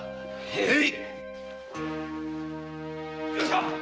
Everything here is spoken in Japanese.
へい！